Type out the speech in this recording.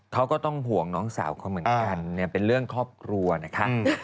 เขาก็ต้องห่วงน้องสาวเขาเหมือนกันเป็นเรื่องครอบครัวนะคะ